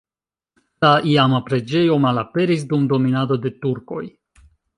La iama preĝejo malaperis dum dominado de turkoj.